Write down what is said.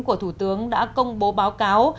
của thủ tướng đã công bố báo cáo